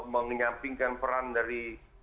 mengampingkan peran dari